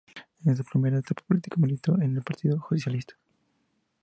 En su primera etapa política militó en el Partido Socialista.